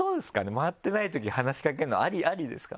回ってないとき話しかけるのありですか？